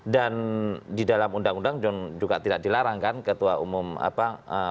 dan di dalam undang undang juga tidak dilarangkan ketua umum apa